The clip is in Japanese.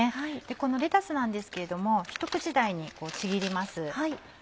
このレタスなんですけれどもひと口大にちぎります。